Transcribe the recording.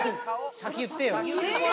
先言ってよ。